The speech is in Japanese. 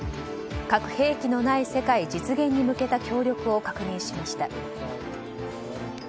核兵器のない世界実現に向けた協力を確認しました。